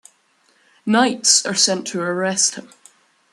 Knights are sent to arrest him.